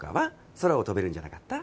空を飛べるんじゃなかった？